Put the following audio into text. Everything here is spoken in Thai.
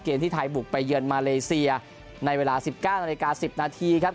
เกมที่ไทยบุกไปเยือนมาเลเซียในเวลา๑๙น๑๐นครับ